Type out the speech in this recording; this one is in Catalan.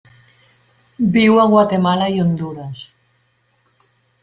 Viu a Guatemala i Hondures.